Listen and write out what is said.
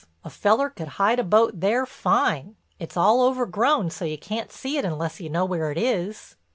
A feller could hide a boat there fine; it's all overgrown so you can't see it unless you know where it is."